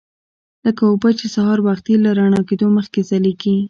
لکه اوبه چې سهار وختي له رڼا کېدو مخکې ځلیږي.